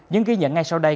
những ghi nhận ngay sau đây